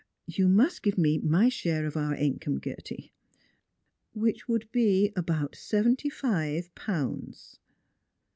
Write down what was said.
You must give me my share of our income, Gerty "" Which would be about seventy five jDounds."